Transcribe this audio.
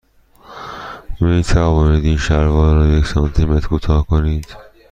می توانید این شلوار را یک سانتی متر کوتاه کنید؟